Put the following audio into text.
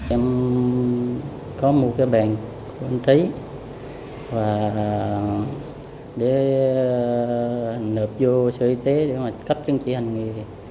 em có một cái bàn công trí để nộp vô sở y tế để cấp chứng chỉ hành nghề